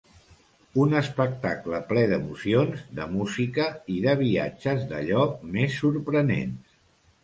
Un espectacle ple d'emocions, de música i de viatges d'allò més sorprenents.